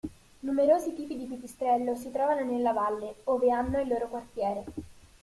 Numerosi tipi di pipistrello si trovano nella valle, ove hanno il loro quartiere.